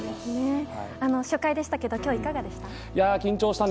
初回でしたけど今日いかがでした？